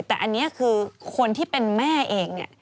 แต่อันนี้คือคนที่เป็นแม่เองเนี่ย